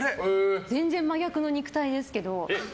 全然、真逆の肉体ですけど。